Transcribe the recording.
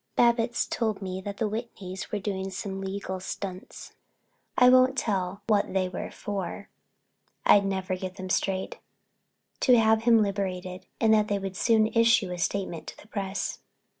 Babbitts told me that the Whitneys were doing some legal stunts—I won't tell what they were for I'd never get them straight—to have him liberated, and that they would soon issue a statement to the press.